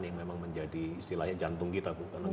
yang memang menjadi istilahnya jantung kita